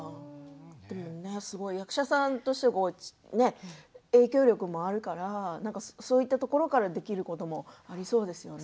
役者さんとして影響力もあるからそういうところからできることもありそうですよね。